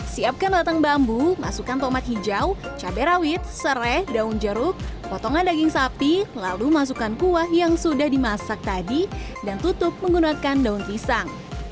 siapkan latang bambu masukkan tomat hijau cabai rawit serai daun jeruk potongan daging sapi lalu masukkan kuah yang sudah dimasak tadi dan tutup menggunakan daun pisang